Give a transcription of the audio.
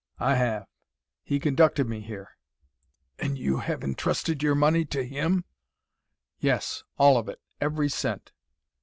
"I have. He conducted me here." "And you have intrusted your money to him?" "Yes all of it; every cent!"